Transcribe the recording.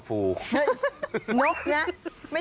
นี่ไงยิบมัน